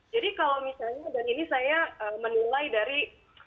jadi kalau misalnya dan ini saya menilai dari